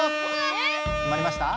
きまりました？